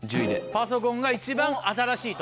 パソコンが一番新しいと。